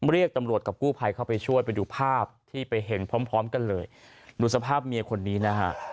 เรียกตำรวจกับกู้ภัยเข้าไปช่วยไปดูภาพที่ไปเห็นพร้อมพร้อมกันเลยดูสภาพเมียคนนี้นะฮะ